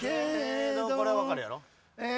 これは分かるやろ？